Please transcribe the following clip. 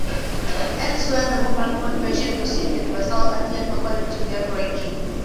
Elsewhere, the mobile phone version received "universal acclaim" according to GameRankings.